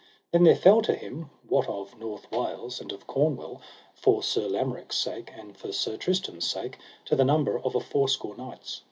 Then there fell to them, what of North Wales and of Cornwall, for Sir Lamorak's sake and for Sir Tristram's sake, to the number of a fourscore knights.